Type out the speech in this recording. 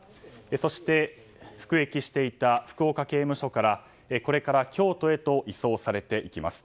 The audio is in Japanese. そして、服役していた福岡刑務所からこれから京都へと移送されていきます。